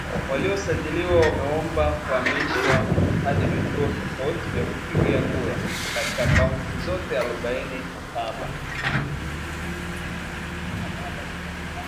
waliosajiliwa wameomba kuhamishwa hadi vituo tofauti vya kupigia kura katika kaunti zote arobaini na saba